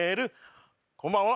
こんばんは。